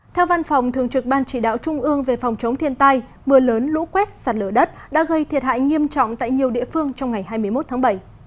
theo văn phòng thường trực ban chỉ đạo trung ương về phòng chống thiên tai mưa lớn lũ quét sạt lở đất đã gây thiệt hại nghiêm trọng tại nhiều địa phương trong ngày hai mươi một tháng bảy